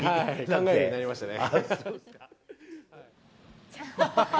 考えるようになりましたね。